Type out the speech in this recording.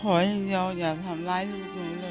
หนูขออย่างเดียวอย่าทำร้ายทุกอย่างเลย